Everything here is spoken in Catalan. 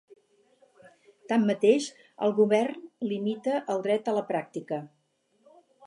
Tanmateix, el govern limita el dret a la pràctica.